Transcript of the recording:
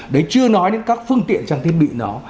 đấy chưa nói đến các phương tiện trang thiết bị đó